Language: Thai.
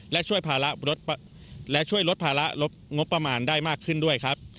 และช่วยลดภาระงบประมาณได้มากขึ้นด้วยครับ